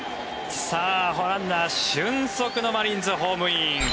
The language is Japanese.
ランナー、俊足のマリンズホームイン。